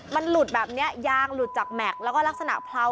มันหลุดแบบนี้ยางหลุดจากแม็กซ์แล้วก็ลักษณะเพรา